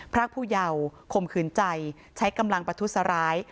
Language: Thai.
พระผู้ยาวคมขืนใจใช้กำลังปฏุสร้าย